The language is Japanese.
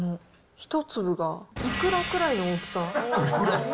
一粒がいくらくらいの大きさ。